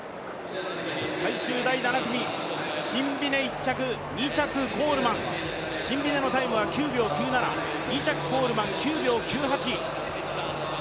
最終第７組、シンビネ１着、２着コールマンシンビネのタイムは９秒９７２着コールマン、９秒９８。